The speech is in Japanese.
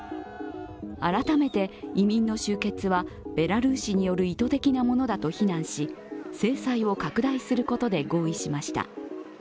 改めて移民の集結はベラルーシによる意図的なものだと非難し、制裁を拡大することで合意しました。